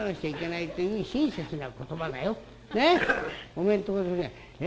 おめえんとこのね